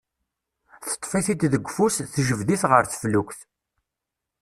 Teṭṭef-it-id deg ufus, tejbed-it ɣer teflukt.